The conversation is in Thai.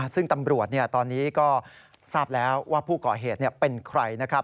ซึ่งตำรวจตอนนี้ก็ทราบแล้วว่าผู้ก่อเหตุเป็นใครนะครับ